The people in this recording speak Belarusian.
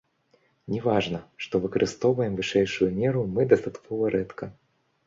Не важна, што выкарыстоўваем вышэйшую меру мы дастаткова рэдка.